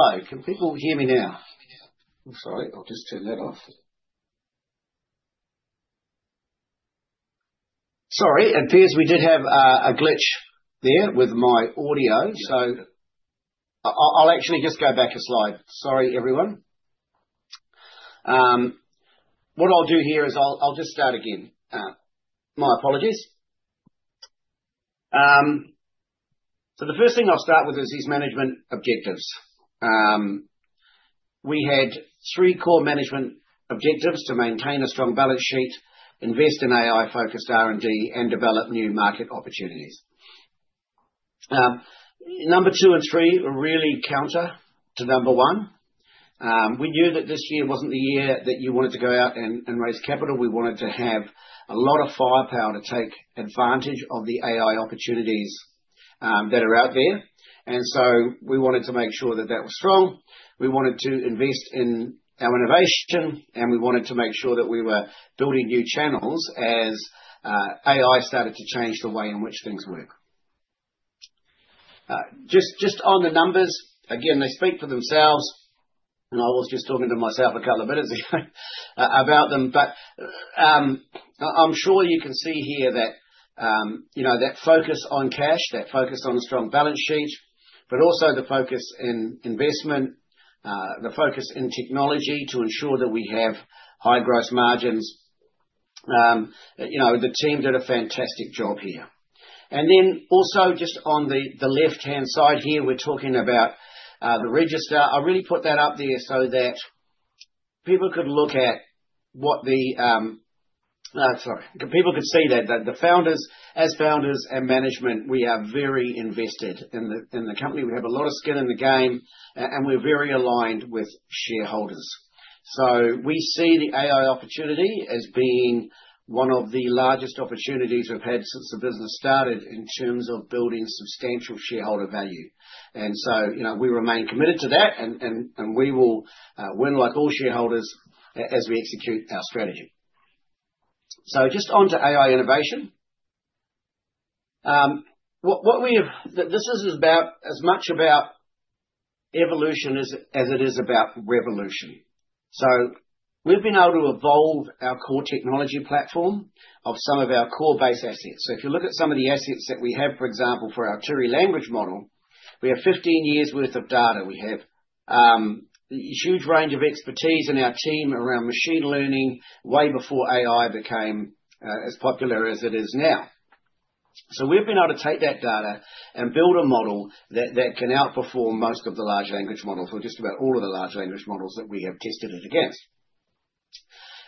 Hello. Can people hear me now? Yes. Sorry. I'll just turn that off. Sorry. It appears we did have a glitch there with my audio, so I'll actually just go back a slide. Sorry, everyone. What I'll do here is I'll just start again. My apologies, so the first thing I'll start with is these management objectives. We had three core management objectives: to maintain a strong balance sheet, invest in AI-focused R&D, and develop new market opportunities. Number two and three really counter to number one. We knew that this year wasn't the year that you wanted to go out and raise capital. We wanted to have a lot of firepower to take advantage of the AI opportunities that are out there, and so we wanted to make sure that that was strong. We wanted to invest in our innovation, and we wanted to make sure that we were building new channels as AI started to change the way in which things work. Just on the numbers, again, they speak for themselves, and I was just talking to myself a couple of minutes ago about them, but I'm sure you can see here that focus on cash, that focus on a strong balance sheet, but also the focus in investment, the focus in technology to ensure that we have high gross margins. The team did a fantastic job here, and then also just on the left-hand side here, we're talking about the register. I really put that up there so that people could look at what the - sorry, people could see that as founders and management, we are very invested in the company. We have a lot of skin in the game, and we're very aligned with shareholders. So we see the AI opportunity as being one of the largest opportunities we've had since the business started in terms of building substantial shareholder value. And so we remain committed to that, and we will win like all shareholders as we execute our strategy. So just on to AI innovation. This is about as much about evolution as it is about revolution. So we've been able to evolve our core technology platform of some of our core base assets. So if you look at some of the assets that we have, for example, for our Turing language model, we have 15 years' worth of data. We have a huge range of expertise in our team around machine learning way before AI became as popular as it is now. So we've been able to take that data and build a model that can outperform most of the large language models or just about all of the large language models that we have tested it against.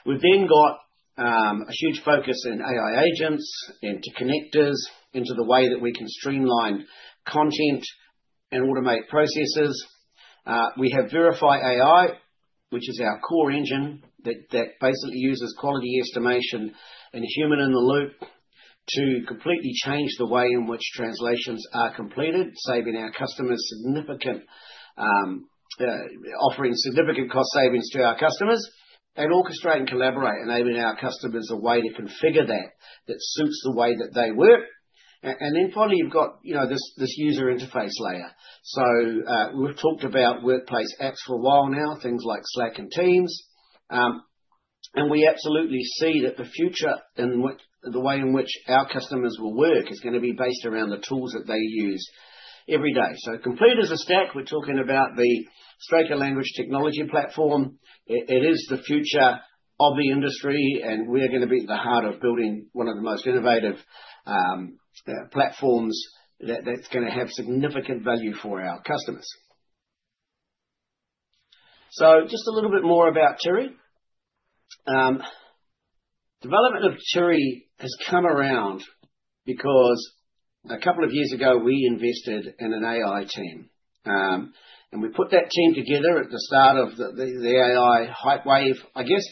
We've then got a huge focus in AI agents and to connectors into the way that we can streamline content and automate processes. We have Verify AI, which is our core engine that basically uses quality estimation and human in the loop to completely change the way in which translations are completed, saving our customers significant, offering significant cost savings to our customers and Orchestrate and collaborate, enabling our customers a way to configure that suits the way that they work. And then finally, you've got this user interface layer. So we've talked about workplace apps for a while now, things like Slack and Teams. And we absolutely see that the future and the way in which our customers will work is going to be based around the tools that they use every day. So complete as a stack, we're talking about the Straker Language Technology Platform. It is the future of the industry, and we're going to be at the heart of building one of the most innovative platforms that's going to have significant value for our customers. So just a little bit more about Turing. Development of Turing has come around because a couple of years ago, we invested in an AI team. And we put that team together at the start of the AI hype wave, I guess.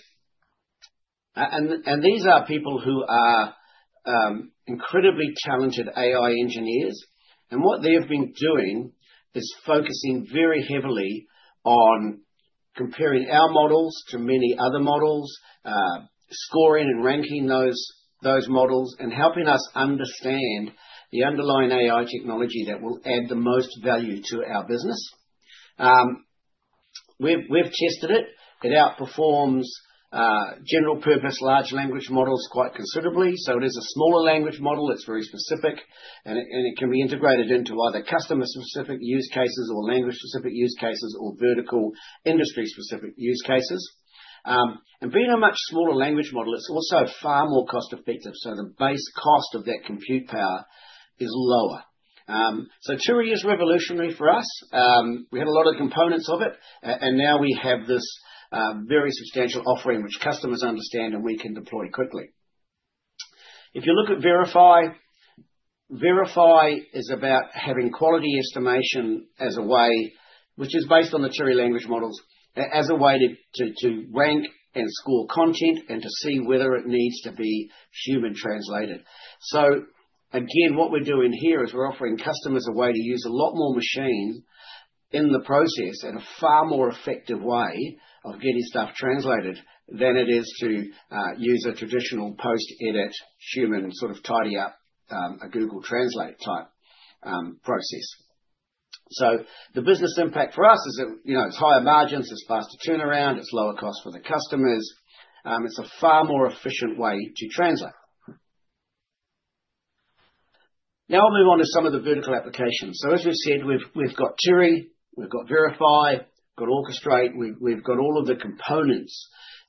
And these are people who are incredibly talented AI engineers. What they have been doing is focusing very heavily on comparing our models to many other models, scoring and ranking those models, and helping us understand the underlying AI technology that will add the most value to our business. We've tested it. It outperforms general-purpose large language models quite considerably. It is a smaller language model. It's very specific, and it can be integrated into either customer-specific use cases or language-specific use cases or vertical industry-specific use cases. Being a much smaller language model, it's also far more cost-effective. The base cost of that compute power is lower. Turing is revolutionary for us. We had a lot of components of it, and now we have this very substantial offering which customers understand and we can deploy quickly. If you look at Verify, Verify is about having quality estimation as a way, which is based on the Turing language models, as a way to rank and score content and to see whether it needs to be human translated. So again, what we're doing here is we're offering customers a way to use a lot more machine in the process in a far more effective way of getting stuff translated than it is to use a traditional post-edit human sort of tidy up a Google Translate type process. So the business impact for us is it's higher margins, it's faster turnaround, it's lower cost for the customers. It's a far more efficient way to translate. Now I'll move on to some of the vertical applications. So as we've said, we've got Turing, we've got Verify, we've got Orchestrate. We've got all of the components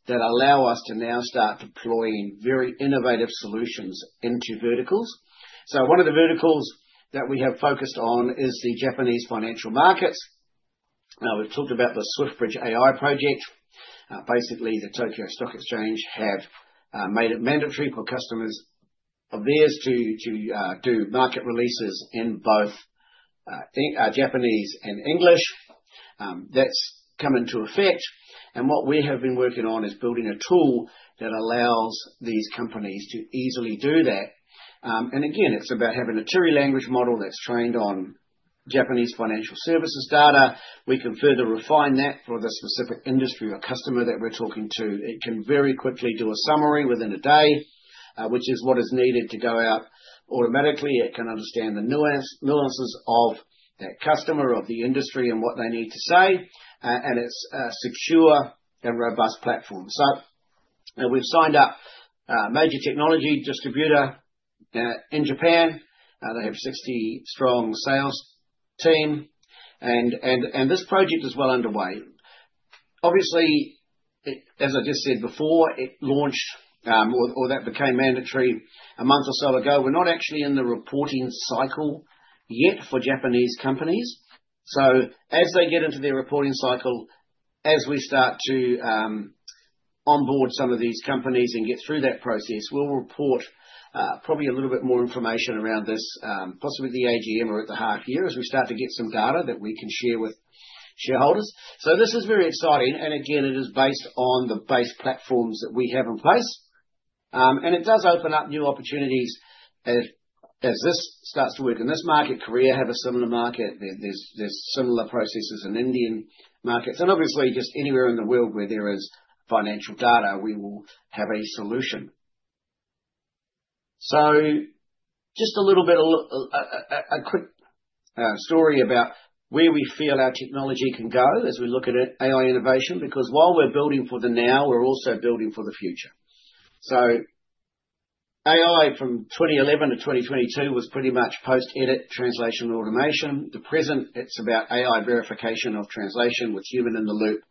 that allow us to now start deploying very innovative solutions into verticals, so one of the verticals that we have focused on is the Japanese financial markets. Now we've talked about the SwiftBridge AI project. Basically, the Tokyo Stock Exchange have made it mandatory for customers of theirs to do market releases in both Japanese and English. That's come into effect, and what we have been working on is building a tool that allows these companies to easily do that, and again, it's about having a Turing language model that's trained on Japanese financial services data. We can further refine that for the specific industry or customer that we're talking to. It can very quickly do a summary within a day, which is what is needed to go out automatically. It can understand the nuances of that customer or the industry and what they need to say. And it's a secure and robust platform. So we've signed up a major technology distributor in Japan. They have a 60-strong sales team. And this project is well underway. Obviously, as I just said before, it launched or that became mandatory a month or so ago. We're not actually in the reporting cycle yet for Japanese companies. So as they get into their reporting cycle, as we start to onboard some of these companies and get through that process, we'll report probably a little bit more information around this, possibly the AGM, or at the half year as we start to get some data that we can share with shareholders. So this is very exciting. And again, it is based on the base platforms that we have in place. And it does open up new opportunities as this starts to work in this market. Korea have a similar market. There's similar processes in Indian markets. And obviously, just anywhere in the world where there is financial data, we will have a solution. So just a little bit of a quick story about where we feel our technology can go as we look at AI innovation. Because while we're building for the now, we're also building for the future. So AI from 2011 to 2022 was pretty much post-edit translation automation. The present, it's about AI verification of translation with human in the loop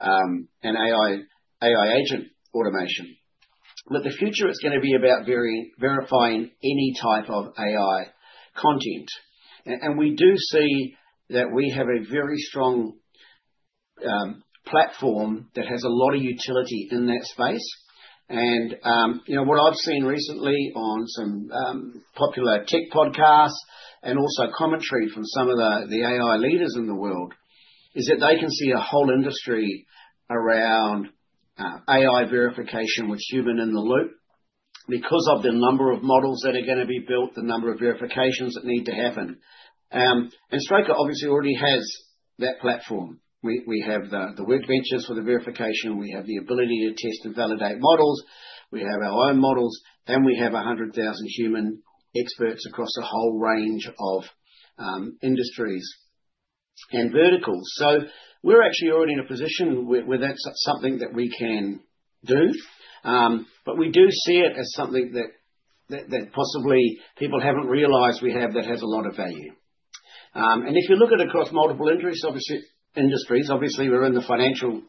and AI agent automation. But the future is going to be about verifying any type of AI content. And we do see that we have a very strong platform that has a lot of utility in that space. What I've seen recently on some popular tech podcasts and also commentary from some of the AI leaders in the world is that they can see a whole industry around AI verification with human in the loop because of the number of models that are going to be built, the number of verifications that need to happen. Straker obviously already has that platform. We have the workbenches for the verification. We have the ability to test and validate models. We have our own models. We have 100,000 human experts across a whole range of industries and verticals. So we're actually already in a position where that's something that we can do. But we do see it as something that possibly people haven't realized we have that has a lot of value. And if you look at across multiple industries, obviously, we're in the financial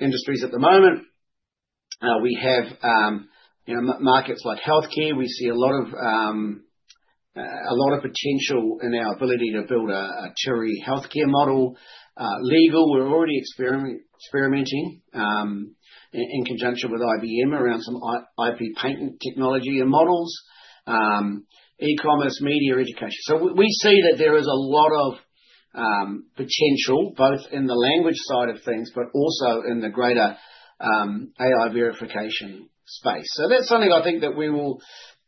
industries at the moment. We have markets like healthcare. We see a lot of potential in our ability to build a Turing healthcare model. Legal, we're already experimenting in conjunction with IBM around some IP patent technology and models. E-commerce, media education. So we see that there is a lot of potential both in the language side of things but also in the greater AI verification space. So that's something I think that we will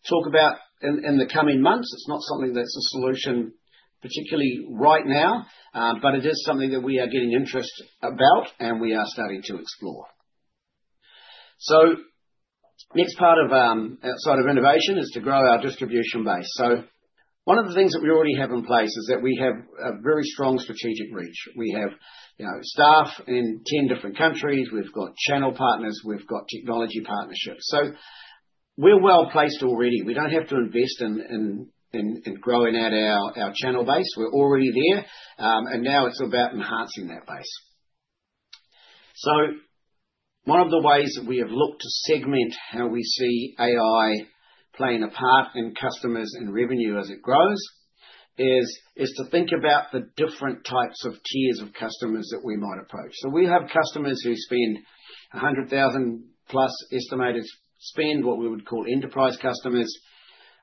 talk about in the coming months. It's not something that's a solution particularly right now, but it is something that we are getting interest about and we are starting to explore. So next part of outside of innovation is to grow our distribution base. So one of the things that we already have in place is that we have a very strong strategic reach. We have staff in 10 different countries. We've got channel partners. We've got technology partnerships. So we're well placed already. We don't have to invest in growing out our channel base. We're already there. And now it's about enhancing that base. So one of the ways that we have looked to segment how we see AI playing a part in customers and revenue as it grows is to think about the different types of tiers of customers that we might approach. So we have customers who spend 100,000-plus estimated spend, what we would call enterprise customers,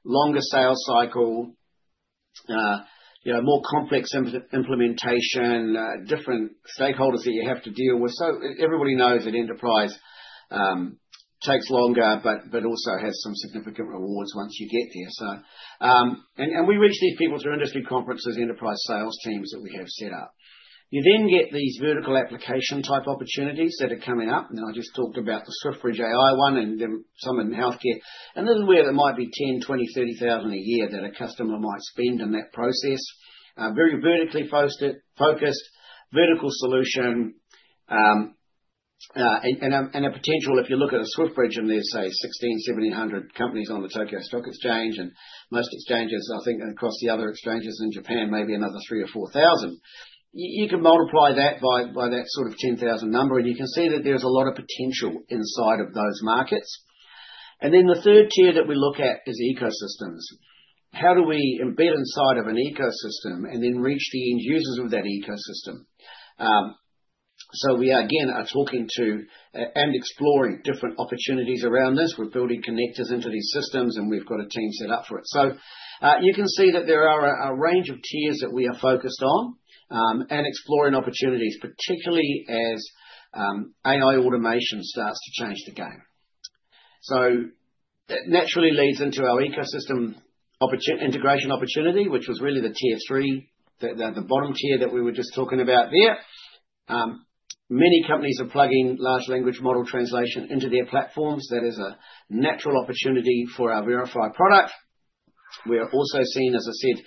longer sales cycle, more complex implementation, different stakeholders that you have to deal with. So everybody knows that enterprise takes longer but also has some significant rewards once you get there. We reach these people through industry conferences, enterprise sales teams that we have set up. You then get these vertical application type opportunities that are coming up. I just talked about the SwiftBridge AI one and some in healthcare. This is where there might be $10,000, $20,000, $30,000 a year that a customer might spend in that process. Very vertically focused vertical solution. The potential, if you look at a SwiftBridge and there's, say, 1,600, 1,700 companies on the Tokyo Stock Exchange and most exchanges, I think, across the other exchanges in Japan, maybe anoth 3000 or 4,000. You can multiply that by that sort of $10,000 number, and you can see that there's a lot of potential inside of those markets. The third tier that we look at is ecosystems. How do we embed inside of an ecosystem and then reach the end users of that ecosystem? So we are, again, talking to and exploring different opportunities around this. We're building connectors into these systems, and we've got a team set up for it. So you can see that there are a range of tiers that we are focused on and exploring opportunities, particularly as AI automation starts to change the game. So that naturally leads into our ecosystem integration opportunity, which was really the tier three, the bottom tier that we were just talking about there. Many companies are plugging large language model translation into their platforms. That is a natural opportunity for our Verify product. We are also seeing, as I said,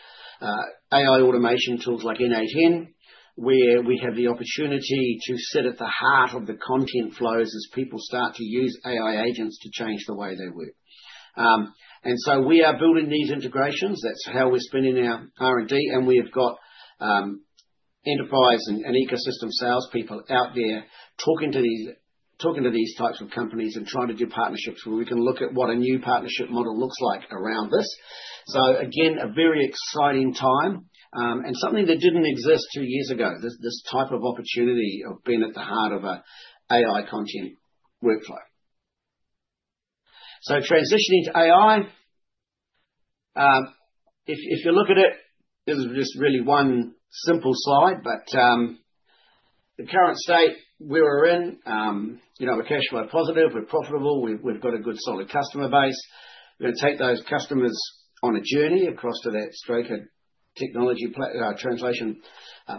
AI automation tools like n8n, where we have the opportunity to sit at the heart of the content flows as people start to use AI agents to change the way they work, and so we are building these integrations. That's how we're spending our R&D, and we have got enterprise and ecosystem salespeople out there talking to these types of companies and trying to do partnerships where we can look at what a new partnership model looks like around this, so again, a very exciting time and something that didn't exist two years ago, this type of opportunity of being at the heart of an AI content workflow, so transitioning to AI, if you look at it, this is just really one simple slide, but the current state we're in, we're cash flow positive. We're profitable. We've got a good solid customer base. We're going to take those customers on a journey across to that Straker Language Technology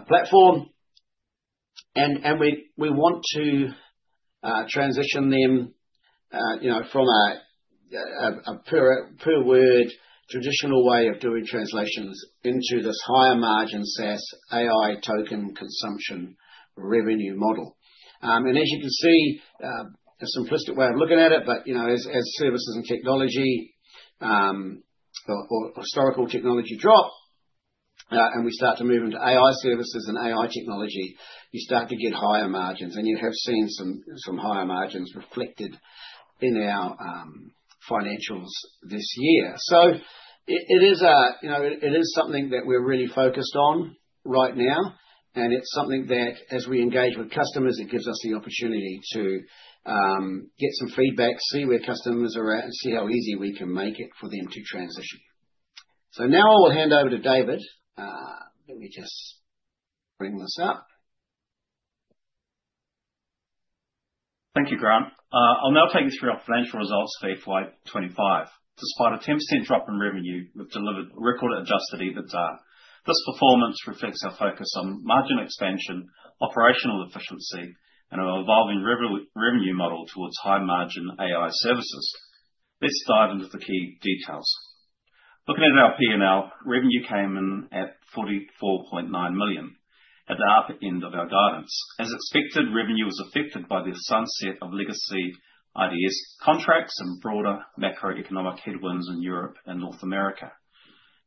Platform, and we want to transition them from a per-word traditional way of doing translations into this higher margin SaaS AI token consumption revenue model, and as you can see, a simplistic way of looking at it, but as services and technology or historical technology drop, and we start to move into AI services and AI technology, you start to get higher margins, and you have seen some higher margins reflected in our financials this year, so it is something that we're really focused on right now, and it's something that, as we engage with customers, it gives us the opportunity to get some feedback, see where customers are at, and see how easy we can make it for them to transition, so now I will hand over to David. Let me just bring this up. Thank you, Grant. I'll now take you through our financial results for FY 2025. Despite a 10% drop in revenue, we've delivered record adjusted EBITDA. This performance reflects our focus on margin expansion, operational efficiency, and our evolving revenue model towards high-margin AI services. Let's dive into the key details. Looking at our P&L, revenue came in at 44.9 million at the upper end of our guidance. As expected, revenue was affected by the sunset of legacy IDEST contracts and broader macroeconomic headwinds in Europe and North America.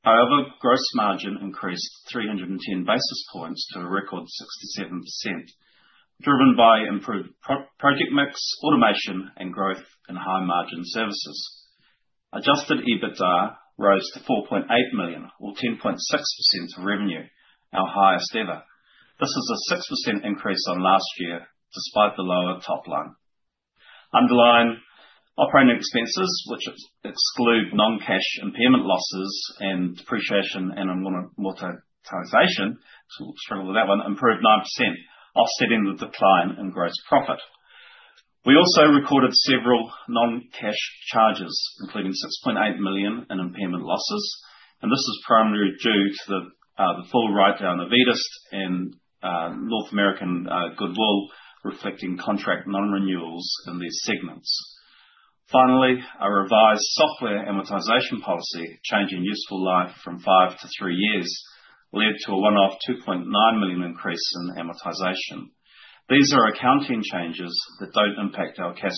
However, gross margin increased 310 basis points to a record 67%, driven by improved project mix, automation, and growth in high-margin services. Adjusted EBITDA rose to 4.8 million, or 10.6% of revenue, our highest ever. This is a 6% increase on last year, despite the lower top line. Underlying operating expenses, which exclude non-cash impairment losses and depreciation and monetization, so we'll struggle with that one, improved 9%, offsetting the decline in gross profit. We also recorded several non-cash charges, including 6.8 million in impairment losses. And this is primarily due to the full write-down of IDEST and North American goodwill reflecting contract non-renewals in these segments. Finally, a revised software amortization policy changing useful life from five to three years led to a one-off 2.9 million increase in amortization. These are accounting changes that don't impact our cash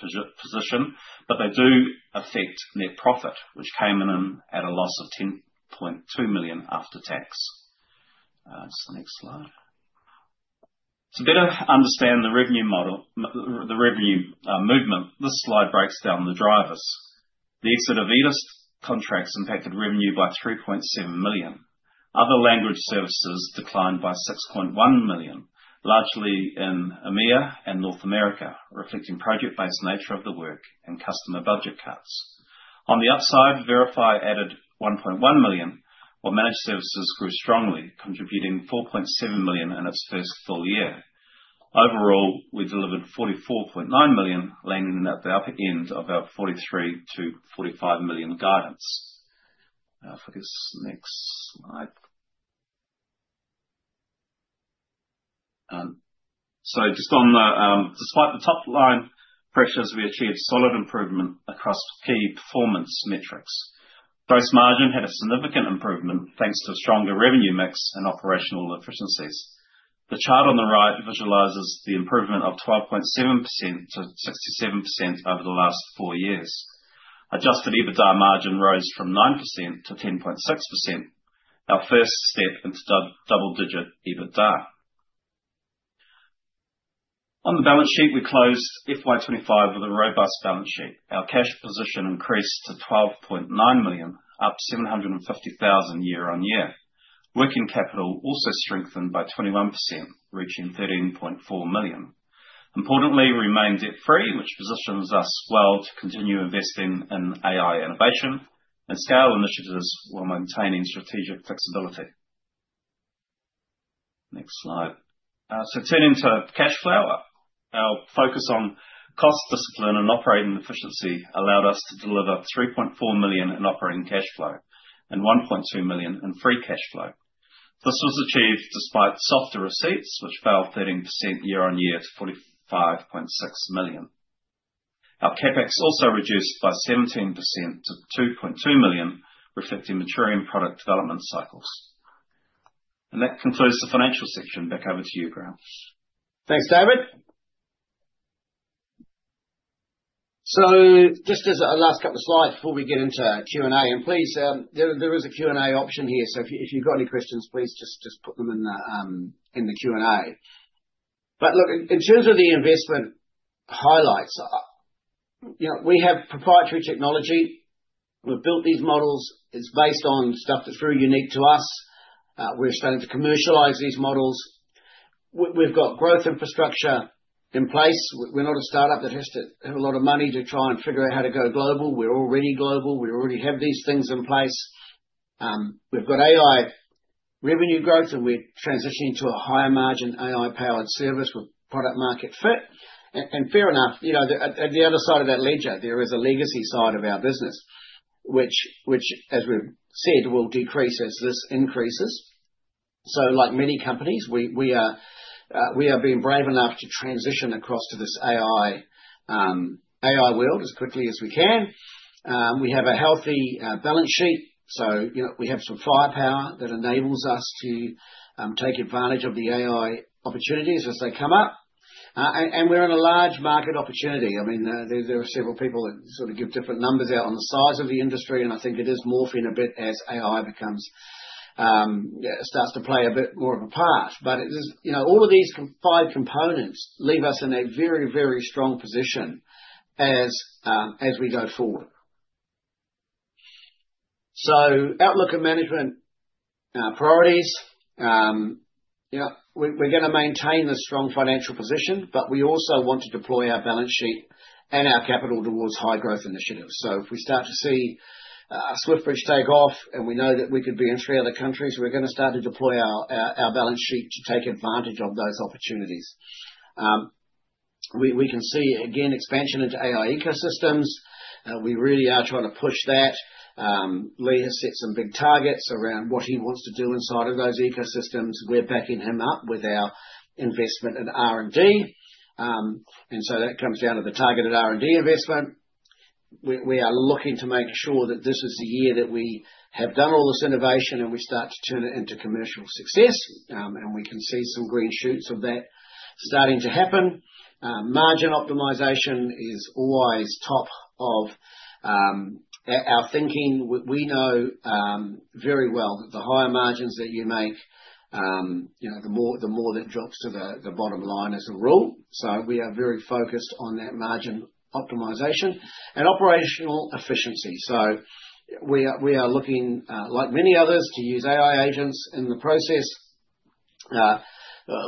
position, but they do affect net profit, which came in at a loss of 10.2 million after tax. That's the next slide. To better understand the revenue movement, this slide breaks down the drivers. The exit of IDEST contracts impacted revenue by 3.7 million. Other language services declined by 6.1 million, largely in EMEA and North America, reflecting project-based nature of the work and customer budget cuts. On the upside, Verify added 1.1 million, while managed services grew strongly, contributing 4.7 million in its first full year. Overall, we delivered 44.9 million, landing at the upper end of our 43-45 million guidance. Now, if I get this next slide. So just on that, despite the top line pressures, we achieved solid improvement across key performance metrics. Gross margin had a significant improvement thanks to stronger revenue mix and operational efficiencies. The chart on the right visualizes the improvement of 12.7%-67% over the last four years. Adjusted EBITDA margin rose from 9%-10.6%, our first step into double-digit EBITDA. On the balance sheet, we closed FY 2025 with a robust balance sheet. Our cash position increased to 12.9 million, up 750,000 year-on-year. Working capital also strengthened by 21%, reaching 13.4 million. Importantly, we remain debt-free, which positions us well to continue investing in AI innovation and scale initiatives while maintaining strategic flexibility. Next slide. So turning to cash flow, our focus on cost discipline and operating efficiency allowed us to deliver 3.4 million in operating cash flow and 1.2 million in free cash flow. This was achieved despite softer receipts, which fell 13% year-on-year to 45.6 million. Our CapEx also reduced by 17% to 2.2 million, reflecting maturing product development cycles. And that concludes the financial section. Back over to you, Grant. Thanks, David. So just as a last couple of slides before we get into Q&A, and please, there is a Q&A option here. So if you've got any questions, please just put them in the Q&A. But look, in terms of the investment highlights, we have proprietary technology. We've built these models. It's based on stuff that's very unique to us. We're starting to commercialize these models. We've got growth infrastructure in place. We're not a startup that has to have a lot of money to try and figure out how to go global. We're already global. We already have these things in place. We've got AI revenue growth, and we're transitioning to a higher-margin AI-powered service with product-market fit. And fair enough, at the other side of that ledger, there is a legacy side of our business, which, as we've said, will decrease as this increases. So like many companies, we are being brave enough to transition across to this AI world as quickly as we can. We have a healthy balance sheet. So we have some firepower that enables us to take advantage of the AI opportunities as they come up. And we're in a large market opportunity. I mean, there are several people that sort of give different numbers out on the size of the industry. And I think it is morphing a bit as AI starts to play a bit more of a part. But all of these five components leave us in a very, very strong position as we go forward. So outlook and management priorities, we're going to maintain this strong financial position, but we also want to deploy our balance sheet and our capital towards high-growth initiatives. So if we start to see SwiftBridge take off, and we know that we could be in three other countries, we're going to start to deploy our balance sheet to take advantage of those opportunities. We can see, again, expansion into AI ecosystems. We really are trying to push that. Lee has set some big targets around what he wants to do inside of those ecosystems. We're backing him up with our investment in R&D, and so that comes down to the targeted R&D investment. We are looking to make sure that this is the year that we have done all this innovation and we start to turn it into commercial success, and we can see some green shoots of that starting to happen. Margin optimization is always top of our thinking. We know very well that the higher margins that you make, the more that drops to the bottom line as a rule, so we are very focused on that margin optimization and operational efficiency, so we are looking, like many others, to use AI agents in the process.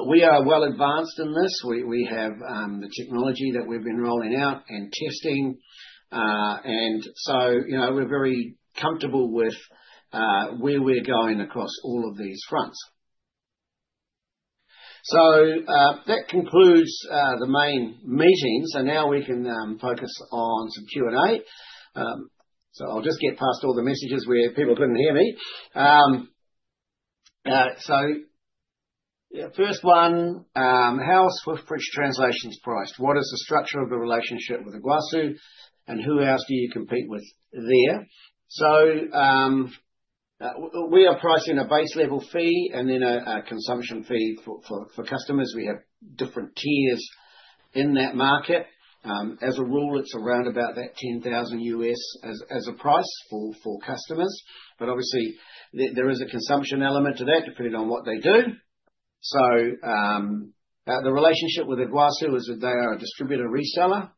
We are well advanced in this. We have the technology that we've been rolling out and testing. And so we're very comfortable with where we're going across all of these fronts. So that concludes the main meetings. And now we can focus on some Q&A. So I'll just get past all the messages where people couldn't hear me. So first one, how is SwiftBridge AI priced? What is the structure of the relationship with Iguazu? And who else do you compete with there? So we are pricing a base level fee and then a consumption fee for customers. We have different tiers in that market. As a rule, it's around about that $10,000 as a price for customers. But obviously, there is a consumption element to that depending on what they do. So the relationship with Iguazu is that they are a distributor reseller.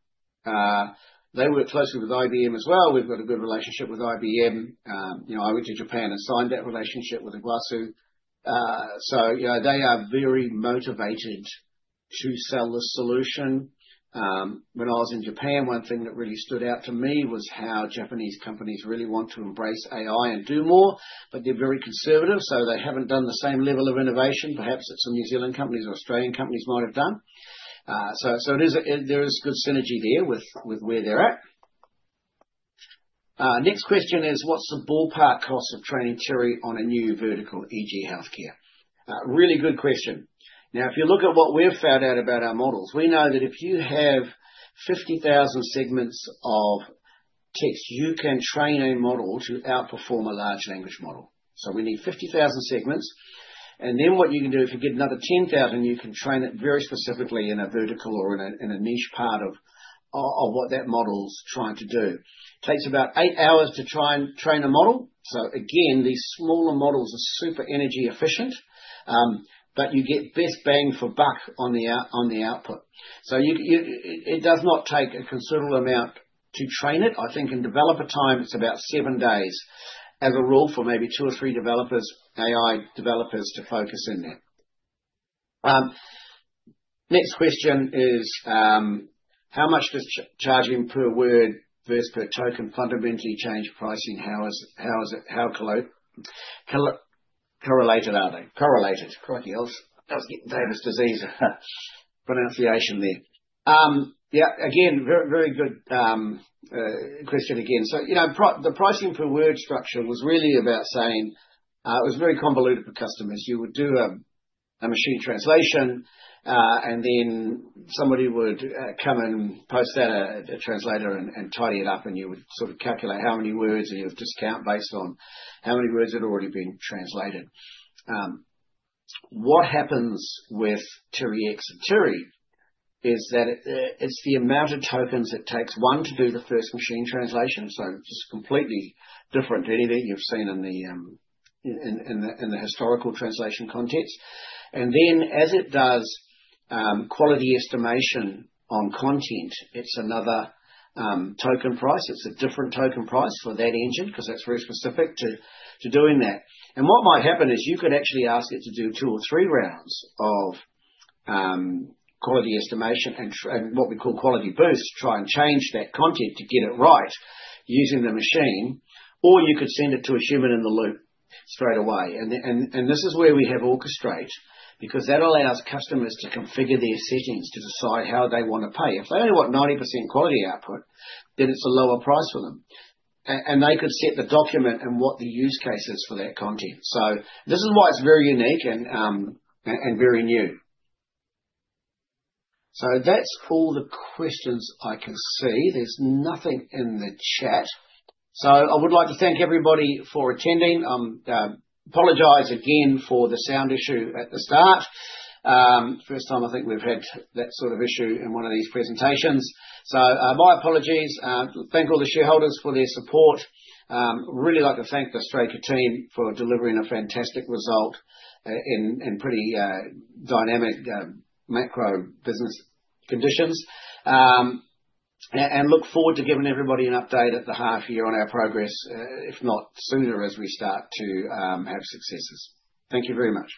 They work closely with IBM as well. We've got a good relationship with IBM. I went to Japan and signed that relationship with Iguazu, so they are very motivated to sell the solution. When I was in Japan, one thing that really stood out to me was how Japanese companies really want to embrace AI and do more, but they're very conservative, so they haven't done the same level of innovation. Perhaps some New Zealand companies or Australian companies might have done, so there is good synergy there with where they're at. Next question is, what's the ballpark cost of training Cherry on a new vertical e.g., healthcare? Really good question. Now, if you look at what we've found out about our models, we know that if you have 50,000 segments of text, you can train a model to outperform a large language model, so we need 50,000 segments. And then what you can do, if you get another 10,000, you can train it very specifically in a vertical or in a niche part of what that model's trying to do. It takes about eight hours to try and train a model. So again, these smaller models are super energy efficient, but you get best bang for buck on the output. So it does not take a considerable amount to train it. I think in developer time, it's about seven days as a rule for maybe two or three developers, AI developers to focus in there. Next question is, how much does charging per word versus per token fundamentally change pricing? How correlated are they? Correlated. Yeah, again, very good question again. So the pricing per word structure was really about saying it was very convoluted for customers. You would do a machine translation, and then somebody would come and post that, a translator, and tidy it up, and you would sort of calculate how many words, and you would discount based on how many words had already been translated. What happens with Cherry X and Cherry is that it's the amount of tokens it takes one to do the first machine translation. So just completely different to anything you've seen in the historical translation context. And then as it does quality estimation on content, it's another token price. It's a different token price for that engine because that's very specific to doing that. What might happen is you could actually ask it to do two or three rounds of quality estimation and what we call quality boost to try and change that content to get it right using the machine, or you could send it to a human in the loop straight away. This is where we have Orchestrate because that allows customers to configure their settings to decide how they want to pay. If they only want 90% quality output, then it's a lower price for them. They could set the document and what the use case is for that content. This is why it's very unique and very new. That's all the questions I can see. There's nothing in the chat. I would like to thank everybody for attending. I apologize again for the sound issue at the start. First time, I think we've had that sort of issue in one of these presentations, so my apologies. Thank all the shareholders for their support. Really like to thank the Straker team for delivering a fantastic result in pretty dynamic macro business conditions, and look forward to giving everybody an update at the half year on our progress, if not sooner as we start to have successes. Thank you very much.